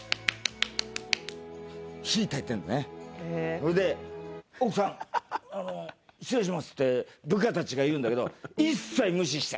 それで「奥さん失礼します」って部下たちが言うんだけど一切無視して。